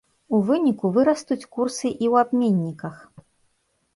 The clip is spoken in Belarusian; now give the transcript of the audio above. У выніку, вырастуць курсы і ў абменніках.